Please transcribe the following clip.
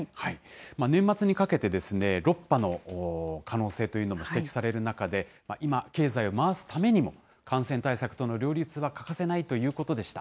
年末にかけて、６波の可能性というのも指摘される中で、今、経済を回すためにも、感染対策との両立は欠かせないということでした。